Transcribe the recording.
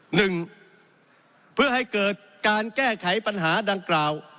หนึ่งเพื่อให้เกิดการแก้ไขปัญหาดังกล่าว